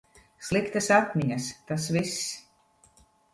Sliktas atmiņas, tas viss.